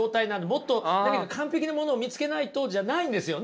もっと何か完璧なものを見つけないとじゃないんですよね。